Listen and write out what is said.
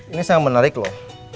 ini sangat menarik loh